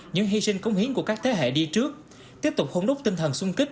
những hy sinh cống hiến của các thế hệ đi trước tiếp tục hôn đúc tinh thần sung kích